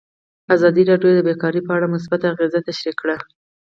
ازادي راډیو د بیکاري په اړه مثبت اغېزې تشریح کړي.